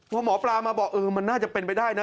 พอหมอปลามาบอกเออมันน่าจะเป็นไปได้นะ